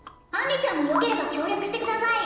杏里ちゃんもよければ協力してください